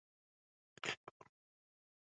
د ګډون په موخه د سفر تیاری ونیوه او داسې حال کې چې